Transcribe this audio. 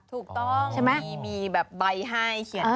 ถูกต้องมีแบบใบให้เขียนไป